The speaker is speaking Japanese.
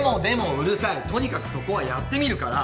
うるさいとにかくそこはやってみるから！